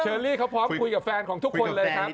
ลี่เขาพร้อมคุยกับแฟนของทุกคนเลยครับ